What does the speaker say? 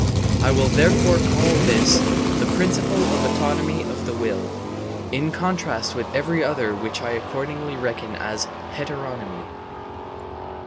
I will therefore call this the principle of autonomy of the will, in contrast with every other which I accordingly reckon as heteronomy.